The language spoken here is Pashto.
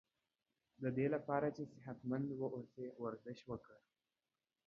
ددی لپاره چی صحت مند و اوسی ورزش وکړه